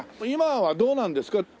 今はどうなんですか？